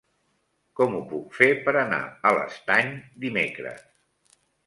Com ho puc fer per anar a l'Estany dimecres?